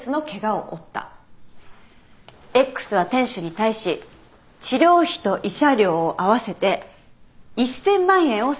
Ｘは店主に対し治療費と慰謝料を合わせて１，０００万円を請求したいと言っている。